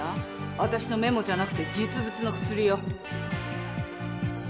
私のメモじゃなくて実物の薬を。